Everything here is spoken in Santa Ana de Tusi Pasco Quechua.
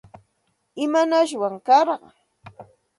¿Imanashwan karqan?